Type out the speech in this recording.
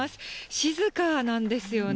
静かなんですよね。